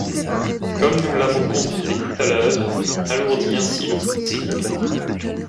Comme nous l’avons constaté tout à l’heure, on alourdit ainsi le code civil.